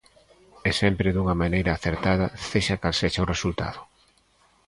E sempre dunha maneira acertada, sexa cal sexa o resultado.